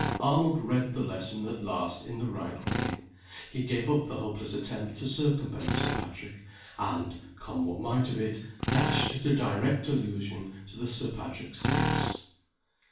Arnold read the lesson, at last, in the right way. He gave up the hopeless attempt to circumvent Sir Patrick, and come what might of it dashed at a direct allusion to Sir Patrick's niece.